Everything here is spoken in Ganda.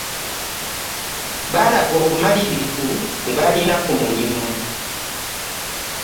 Baalaga obumalirivu bwe balina ku mulimu